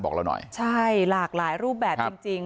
บอกเราหน่อยใช่หลากหลายรูปแบบจริงจริง